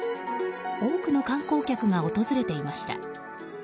多くの観光客が訪れていました。